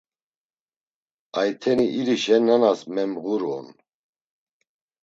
Ayteni irişe nanas memğuru on.